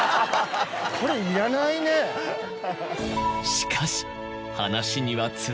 しかし。